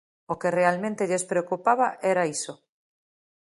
O que realmente lles preocupaba era iso.